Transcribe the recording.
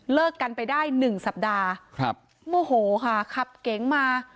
กันไปได้หนึ่งสัปดาห์ครับโมโหค่ะขับเก๋งมา